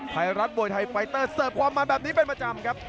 ไทยรัฐมวยไทยไฟเตอร์เสิร์ฟความมันแบบนี้เป็นประจำครับ